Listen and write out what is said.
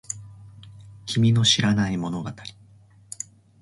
君の知らない物語